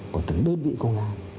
của từng đơn vị công an